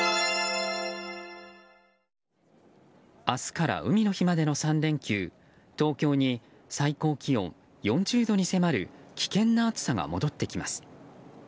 明日から海の日までの３連休東京に、最高気温４０度に迫る危険な暑さが戻ってきます。